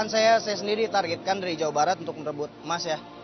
saya sendiri ditargetkan dari jawa barat untuk merebut emas ya